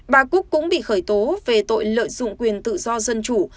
bà cúc cũng bị khởi tố về tội lợi dụng quyền tự do dân chủ